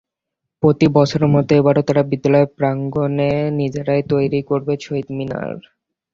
প্রতিবছরের মতো এবারও তারা বিদ্যালয় প্রাঙ্গণে নিজেরাই তৈির করবে শহীদ মিনার।